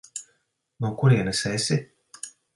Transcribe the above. No kurienes esi?